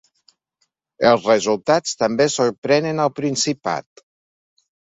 Els resultats també sorprenen al Principat.